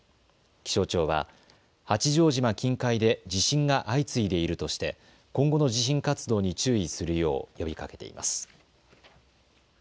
気象庁は八丈島近海で地震が相次いでいるとして今後の地震活動に注意するよう呼びかけています。